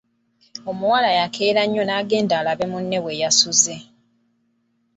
Omuwala yakeera nnyo agende alabe munne bwe yasuze.